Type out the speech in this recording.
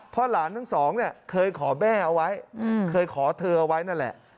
เพราะหลานทั้งสองเนี่ยเคยขอแม่เอาไว้เคยขอเธอเอาไว้นั่นแหละ